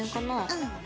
うん。